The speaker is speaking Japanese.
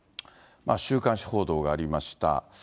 週刊誌報道がありました。